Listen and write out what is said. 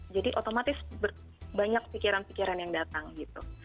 jadi otomatis banyak pikiran pikiran yang datang gitu